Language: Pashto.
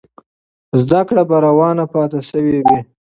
زده کړه به روانه پاتې سوې وي.